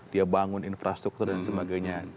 dia bangun infrastruktur dan sebagainya